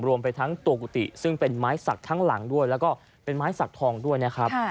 รวมไปทั้งตัวกุฏิซึ่งเป็นไม้สักทั้งหลังด้วยแล้วก็เป็นไม้สักทองด้วยนะครับ